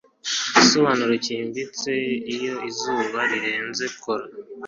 igisobanuro cyimbitse. iyo izuba rirenze, kora